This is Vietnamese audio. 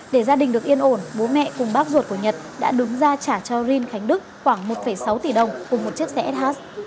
để gia đình được yên ổn bố mẹ cùng bác ruột của nhật đã đứng ra trả cho rin khánh đức khoảng một sáu tỷ đồng cùng một chiếc xe sh